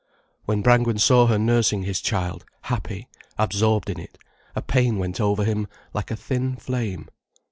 When Brangwen saw her nursing his child, happy, absorbed in it, a pain went over him like a thin flame.